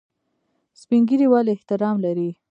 سپین ږیری ولې احترام لري؟